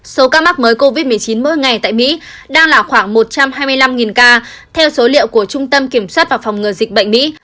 số ca mắc mới covid một mươi chín mỗi ngày tại mỹ đang là khoảng một trăm hai mươi năm ca theo số liệu của trung tâm kiểm soát và phòng ngừa dịch bệnh mỹ